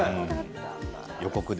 予告で。